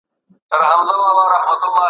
زما نوم دي ګونجي ، ګونجي په پېكي كي پاته سوى